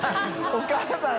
お母さん。